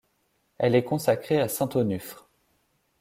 Elle est consacrée à saint Onuphre.